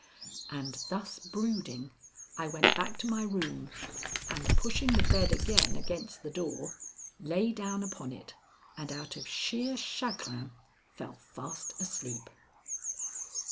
And thus brooding, I went back to my room and, pushing the bed again against the door, lay down upon it and out of sheer chagrin fell fast asleep.